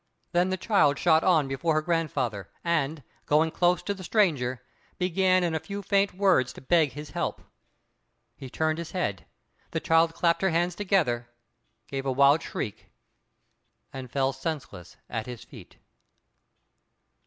Then the child shot on before her grandfather, and, going close to the stranger, began in a few faint words to beg his help. He turned his head. The child clapped her hands together, gave a wild shriek, and fell senseless at his feet.